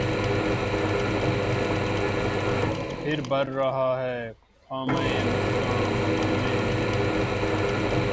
پهر بهر رہا ہے خامہ مژگاں، بہ خونِ دل